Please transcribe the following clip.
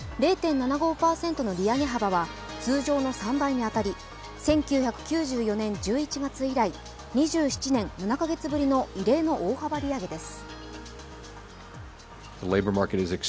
０．７５％の利上げ幅は通常の３倍に当たり、１９９４年１１月以来２７年７カ月ぶりの異例の大幅利上げです。